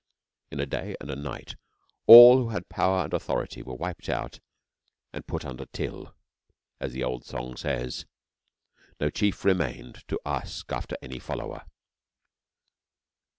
In a day and a night all who had power and authority were wiped out and put under till, as the old song says, no chief remained to ask after any follower.